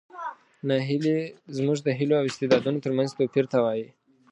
ناهیلي زموږ د هیلو او استعدادونو ترمنځ توپیر ته وایي.